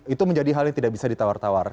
itu menjadi hal yang tidak bisa ditawar tawar